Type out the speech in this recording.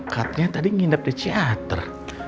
katanya tadi nginep di theater